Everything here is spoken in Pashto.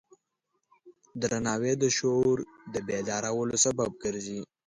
درناوی د شعور د بیدارولو سبب ګرځي.